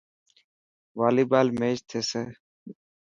والي بال ميچ ٿيسي.